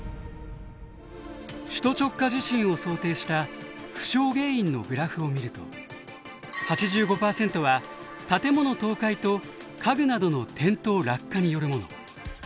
首都直下地震を想定した負傷原因のグラフを見ると８５％は建物倒壊と家具などの転倒・落下によるもの。